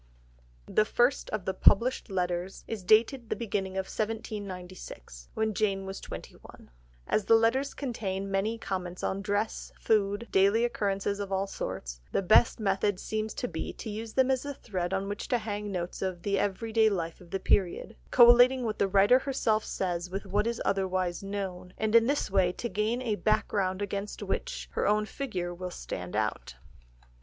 The first of the published letters is dated the beginning of 1796, when Jane was twenty one. As the letters contain many comments on dress, food, daily occurrences of all sorts, the best method seems to be to use them as a thread on which to hang notes of the everyday life of the period, collating what the writer herself says with what is otherwise known, and in this way to gain a background against which her own figure will stand out.